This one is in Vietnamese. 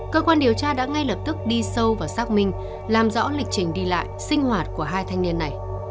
cơ quan điều tra đã ngay lập tức đi sâu vào xác minh làm rõ lịch trình đi lại sinh hoạt của hai thanh niên này